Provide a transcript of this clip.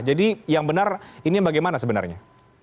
jadi yang benar ini bagaimana sebenarnya